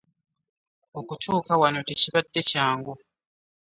Okutuuka wano tekibadde kyangu.